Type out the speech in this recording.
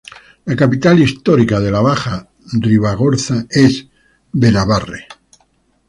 La capital histórica de la Baja Ribagorza es Benabarre.